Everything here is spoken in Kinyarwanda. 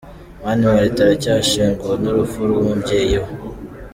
Mani Martin aracyashenguwe n’urupfu rw’umubyeyi we.